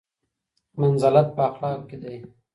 منزلت په اخلاقو کې دی.